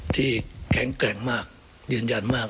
ที่แข็งแหงมากยืนยันมาก